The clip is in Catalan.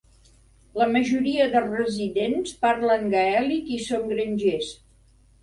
La majoria de residents parlen gaèlic i són grangers.